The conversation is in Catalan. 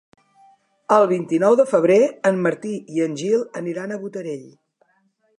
El vint-i-nou de febrer en Martí i en Gil aniran a Botarell.